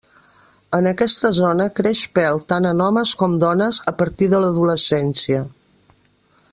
En aquesta zona creix pèl tant en homes com dones, a partir de l'adolescència.